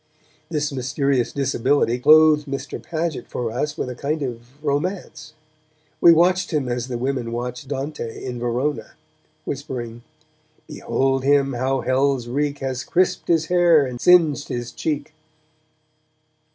This mysterious disability clothed Mr. Paget for us with a kind of romance. We watched him as the women watched Dante in Verona, whispering: Behold him how Hell's reek Has crisped his hair and singed his cheek!